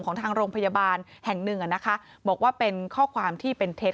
ทางโรงพยาบาลแห่งหนึ่งอ่ะนะคะบอกว่าเป็นข้อความที่เป็นเท็จ